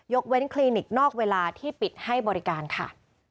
เว้นคลินิกนอกเวลาที่ปิดให้บริการค่ะ